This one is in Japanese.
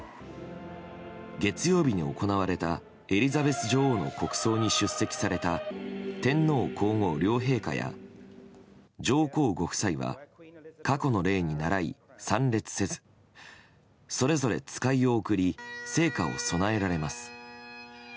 月曜日に行われたエリザベス女王の国葬に出席された天皇・皇后両陛下や上皇ご夫妻は過去の例にならい参列せずそれぞれ、使いを送り生花を供えられます。